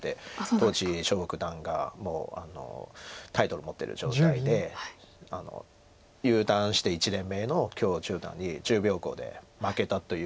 当時張栩九段がタイトル持ってる状態で入段して１年目の許十段に１０秒碁で負けたという。